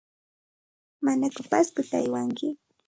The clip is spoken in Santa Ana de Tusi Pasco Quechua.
¿Manaku Pascota aywanki?